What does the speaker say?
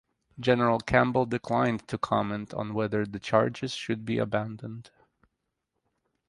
General Campbell declined to comment on whether the charges should be abandoned.